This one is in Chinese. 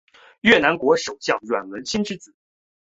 越南国首相阮文心之子。